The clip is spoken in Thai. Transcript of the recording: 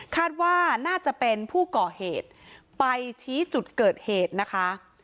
คาดว่าน่าจะเป็นผู้ก่อเหตุไปชี้จุดเกิดเหตุนะคะ